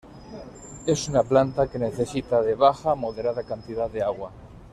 Es una planta que necesita de baja a moderada cantidad de agua.